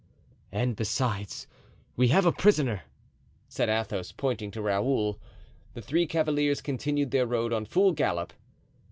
"And besides, we have a prisoner," said Athos, pointing to Raoul. The three cavaliers continued their road on full gallop.